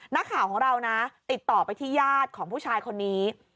นักข่าวของเรานะติดต่อไปที่ญาติของผู้ชายคนนี้